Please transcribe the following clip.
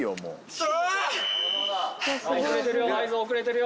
遅れてるよ。